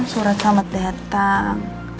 surat selamat datang